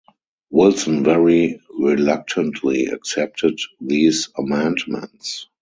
Wilson very reluctantly accepted these amendments.